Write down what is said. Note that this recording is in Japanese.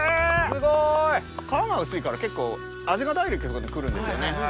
すごい！皮が薄いから結構味がダイレクトに来るんですよね。